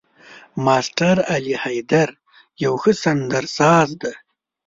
ماسټر علي حيدر يو ښه سندرساز دی.